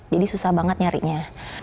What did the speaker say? jadi susah banget nyarinya